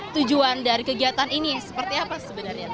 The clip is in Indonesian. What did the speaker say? tujuan dari kegiatan ini seperti apa sebenarnya